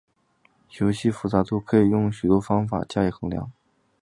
游戏复杂度可以用许多方法加以衡量。